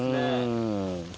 うん。